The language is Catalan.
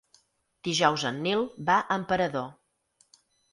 Dijous en Nil va a Emperador.